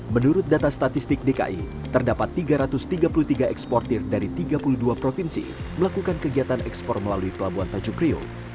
menurut data statistik dki terdapat tiga ratus tiga puluh tiga eksportir dari tiga puluh dua provinsi melakukan kegiatan ekspor melalui pelabuhan tanjung priok